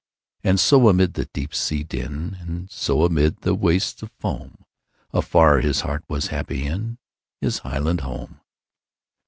And so amid the deep sea din, And so amid the wastes of foam, Afar his heart was happy inHis highland home!